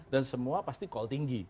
dan semua pasti call tinggi